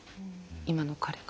今の彼が。